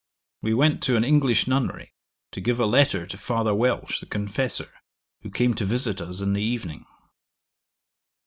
We went to an English nunnery, to give a letter to Father Welch, the confessor, who came to visit us in the evening.